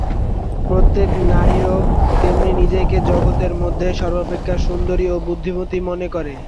প্রত্যেক নারীও তেমনি নিজেকে জগতের মধ্যে সর্বাপেক্ষা সুন্দরী ও বুদ্ধিমতী মনে করে।